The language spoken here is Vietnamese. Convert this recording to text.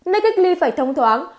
nơi cách ly phải thông thoáng